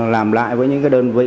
làm lại với những cái đơn vị